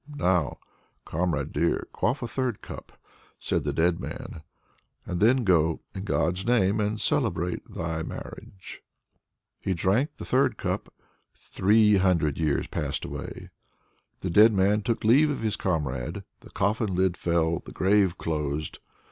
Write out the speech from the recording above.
"Now, comrade dear, quaff a third cup!" said the dead man, "and then go, in God's name, and celebrate thy marriage!" He drank the third cup three hundred years passed away. The dead man took leave of his comrade. The coffin lid fell; the grave closed.